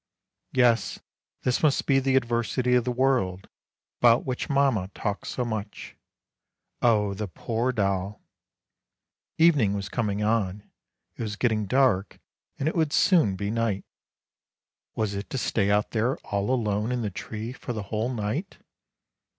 Yes, this must be the adversity of the world, about which mama talked so much. Oh, the poor doll ! Evening was coming on, it was getting dark, and it would soon be night. Was it to stay WHAT THE MOON SAW 253 out there all alone in the tree for the whole night?